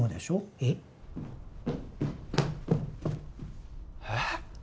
えっ？えっ！？